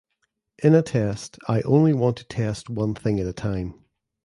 In a test, I only want to test one thing at a time.